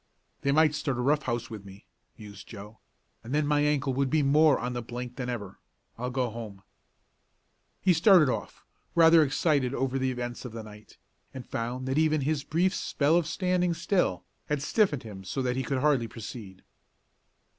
"They might start a rough house with me," mused Joe, "and then my ankle would be more on the blink than ever. I'll go home." He started off, rather excited over the events of the night, and found that even his brief spell of standing still had stiffened him so that he could hardly proceed.